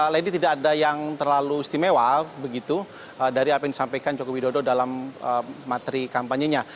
lady tidak ada yang terlalu istimewa begitu dari apa yang disampaikan jokowi dodong dalam materi kampanye nya